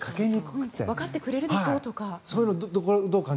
わかってくれるでしょうとか。